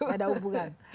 tidak ada hubungan